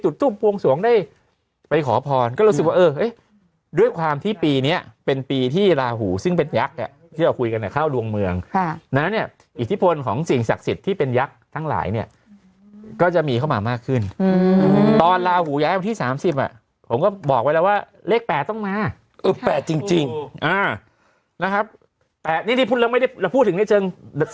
สวงสวงได้ไปขอพรก็รู้สึกว่าเอ้ยด้วยความที่ปีเนี้ยเป็นปีที่ลาหูซึ่งเป็นยักษ์อ่ะที่เราคุยกันเนี้ยเข้าดวงเมืองค่ะดังนั้นเนี้ยอิทธิพลของสิ่งศักดิ์สิทธิ์ที่เป็นยักษ์ทั้งหลายเนี้ยก็จะมีเข้ามามากขึ้นอืมตอนลาหูย้ายที่สามสิบอ่ะผมก็บอกไว้แล้วว่าเลขแปดต้องมาเออแปดจริง